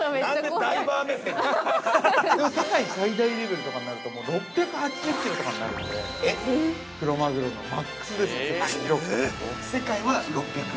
でも、世界最大レベルとかになるともう６８０キロとかになるので、クロマグロのマックスですね、世界記録とかの。◆世界は６００？